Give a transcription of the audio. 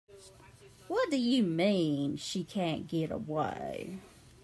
What do you mean she can't get away?